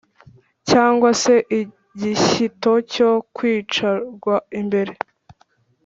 cyangwa se igishyito cyo kwicarwa imbere.